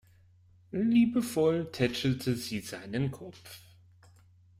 Liebevoll tätschelte sie seinen Kopf.